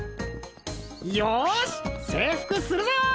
よし征服するぞ！